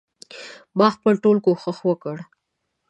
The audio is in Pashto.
ما خپل ټول کوښښ وکړ.